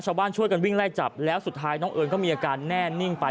ชาวบ้านช่วยกันวิ่งไล่จับแล้วสุดท้ายน้องเอิญก็มีอาการแน่นิ่งไป